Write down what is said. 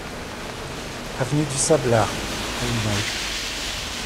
Avenue du Sablard à Limoges